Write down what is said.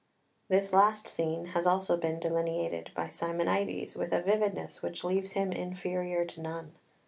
This last scene has also been delineated by Simonides with a vividness which leaves him inferior to none.